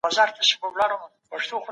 موږ له ډېرو بېوزلو کورنيو سره مرسته کړې ده.